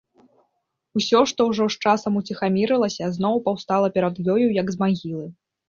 Усё, што ўжо з часам уціхамірылася, зноў паўстала перад ёю, як з магілы.